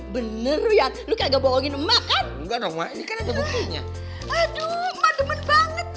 bener lu kagak bohongin emak kan enggak dong mak ini kan ada bukunya aduh emak demen banget